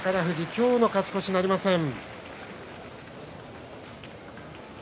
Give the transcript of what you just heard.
今日の勝ち越しなりません。